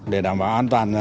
để đảm bảo an toàn